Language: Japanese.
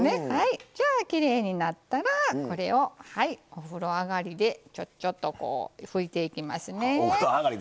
きれいになったらお風呂上がりでちょっちょっと拭いていきますね。